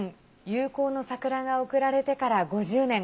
友好の桜が贈られてから５０年。